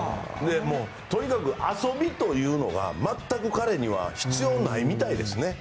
とにかく遊びというのは全く彼に必要ないみたいですね。